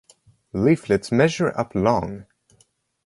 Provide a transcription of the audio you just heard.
Leaflets measure up long.